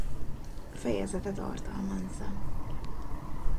Fejezete tartalmazza.